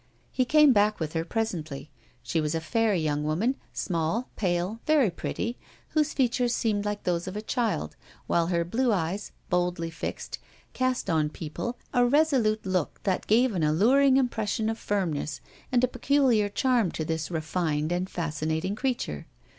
He came back with her presently. She was a fair young woman, small, pale, very pretty, whose features seemed like those of a child, while her blue eyes, boldly fixed, cast on people a resolute look that gave an alluring impression of firmness and a peculiar charm to this refined and fascinating creature.